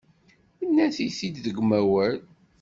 Nadi-t-id deg umawal.